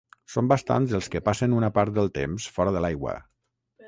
Són bastants els que passen una part del temps fora de l'aigua.